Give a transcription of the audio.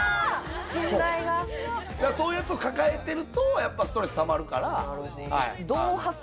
信頼がそういうやつを抱えてるとやっぱストレスたまるからなるほど何かね